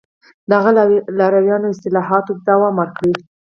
د هغه لارویانو اصلاحاتو ته دوام ورکړ